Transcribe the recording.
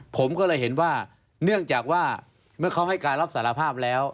ผมก็เลยเห็นว่าเนื่องจากว่าเมื่อเขาให้การรับสารภาพแล้ว